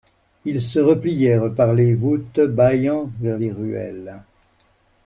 Ils se replièrent par les voûtes bayant vers les ruelles.